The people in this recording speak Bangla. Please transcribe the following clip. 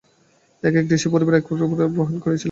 এক এক ঋষি-পরিবার এক এক শাখার ভার গ্রহণ করিয়াছিলেন।